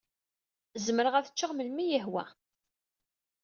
Zemreɣ ad ččeɣ melmi i yi-ihwa.